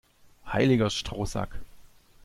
Heiliger Strohsack!